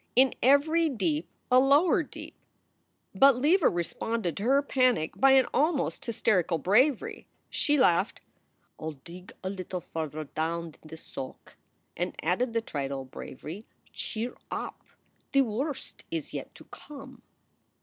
"In every deep a lower deep!" But Leva responded to her panic by an almost hysterical bravery. She laughed, "I ll dig a little farther down in the sock," and added the trite old bravery: "Cheer up! The worst is yet to come!"